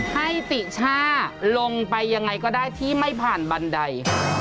ติช่าลงไปยังไงก็ได้ที่ไม่ผ่านบันได